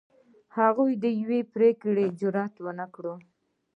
هغوی د یوې پرېکړې جرئت ونه کړ.